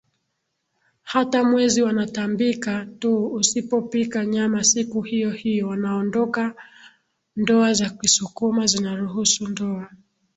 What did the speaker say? hata mwezi wanatambika tuUsipopika nyama siku hiyohiyo wanaondokaNdoa za kisukuma zinaruhusu ndoa